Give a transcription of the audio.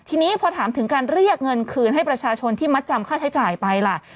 ทีนี้พอถามถึงการเรียกเงินคืนให้ประชาชนที่มัดจำค่าใช้จ่ายไปล่ะ